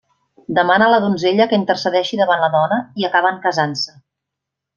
Demana a la donzella que intercedeixi davant la dona i acaben casant-se.